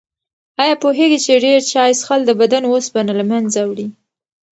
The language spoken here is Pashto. آیا پوهېږئ چې ډېر چای څښل د بدن اوسپنه له منځه وړي؟